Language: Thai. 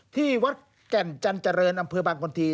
ที่วัฒน์แก่นจันจริย์อำคารกลที